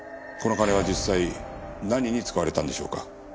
この金は実際何に使われたんでしょうか？